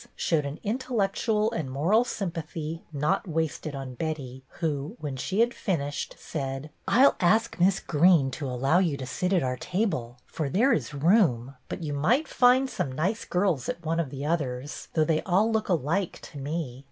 " showed an intellectual and moral sympathy not wasted on Betty who, when she had finished, said, —" I 'll ask Miss Greene to allow you to sit at our table, for there is room — but you A ROOMMATE 8i might find some nice girls at one of the others, though they all look alike to me.